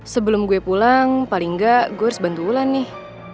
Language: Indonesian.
sebelum gue pulang paling enggak gue harus bantu ulan nih